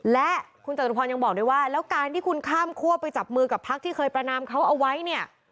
และคุณจตุพรยังบอกด้วยว่าแล้วการที่คุณข้ามคั่วไปจับมือกับพักที่เคยประนามเขาเอาไว้เนี่ย